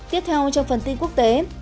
tiếp theo trong phần tin quốc tế